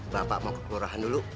bapak mau ke kelurahan dulu